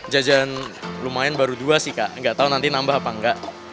jajan lumayan baru dua sih kak gak tau nanti nambah apa enggak